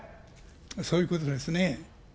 そういうことですね。